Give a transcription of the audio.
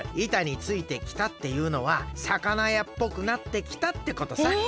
「板についてきた」っていうのはさかなやっぽくなってきたってことさ。